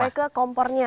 sampai ke kompornya